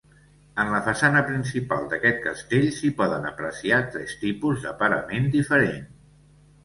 En la façana principal d'aquest castell s'hi poden apreciar tres tipus de parament diferent.